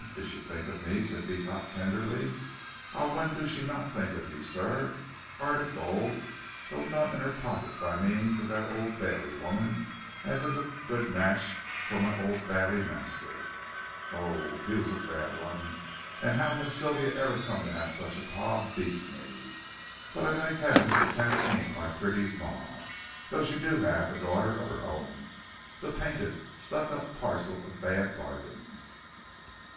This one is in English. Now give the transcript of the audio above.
Did she think of me," said Beecot, tenderly. "Ah, when do she not think of you, sir? 'Eart of gold, though none in her pocket by means of that Old Bailey woman as is a good match fur my Old Bailey master. Ho! he wos a bad 'un, and 'ow Miss Sylvia ever come to 'ave sich a par beats me. But I thank 'eaven the cat ain't my pretty's mar, though she do 'ave a daughter of her own, the painted, stuck up parcel of bad bargains."